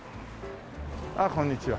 あっこんにちは。